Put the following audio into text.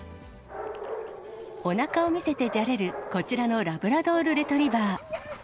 おなかを見せてじゃれる、こちらのラブラドールレトリバー。